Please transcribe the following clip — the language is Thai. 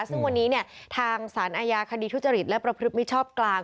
ซึ่งวันนี้ทางสารอาญาคดีทุจริตและประพฤติมิชชอบกลาง